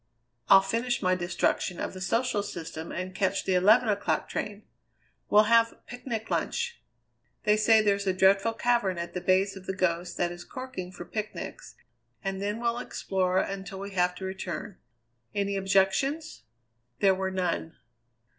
I'll finish my destruction of the social system and catch the eleven o'clock train. We'll have picnic lunch. They say there's a dreadful cavern at the base of The Ghost that is corking for picnics, and then we'll explore until we have to return. Any objections?" There were none.